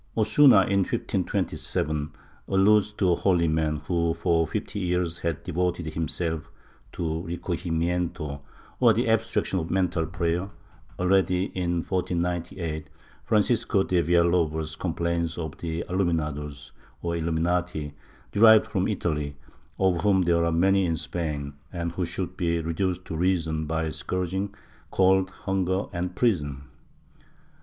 Osuna, in 1527, alludes to a holy man who for fifty years had devoted himself to recojimieyito, or the abstraction of mental prayer, and already, in 1498, Francisco de Villalobos complains of the Aluminados or Illuminati, derived from Italy, of whom there were many in Spain, and who should be reduced to reason by scourging, cold, hunger and prison.